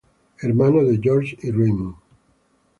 Hermano de George y Raymond.